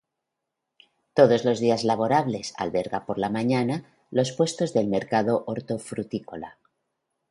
Todos los días laborables alberga por la mañana los puestos del mercado hortofrutícola.